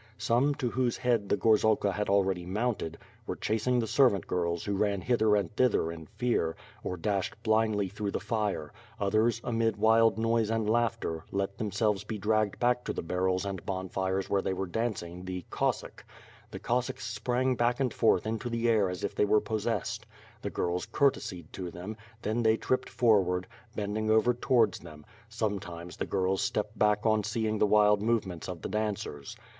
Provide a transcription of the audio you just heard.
Some, to whose bead the gorzalka had already mounted, were chasing the WITH FIRE AXD SWOUt). 533 servant girls who ran hither and thither in fear, or dashed blindly through the fire; others, amid wild noise and laughter, let themselves be dragged back to the barrels and bon fires where they were dancing the "Cossack/^ The Cossacks sprang back and forth in the air as if they were possessed. The girls courtesied to them; then they tripped forward, bending over towards them; sometimes, the girls stepped back on seeing the wild movements of the dancers.